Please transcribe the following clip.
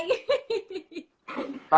agar sampe kepa ya